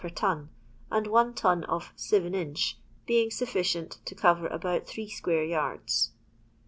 per ton, and one ton of "seven inch" being sufficient to cover about three square yards.